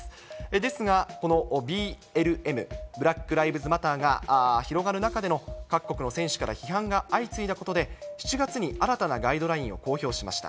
ですが、このＢＬＭ・ブラックライブズマターが広がる中での各国の選手から批判が相次いだことで、７月に新たなガイドラインを公表しました。